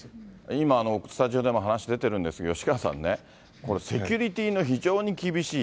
今、スタジオでも話出てるんですけれども、吉川さんね、これセキュリティーの非常に厳しい、